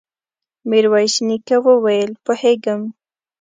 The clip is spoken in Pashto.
ميرويس نيکه وويل: پوهېږم.